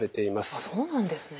あっそうなんですね。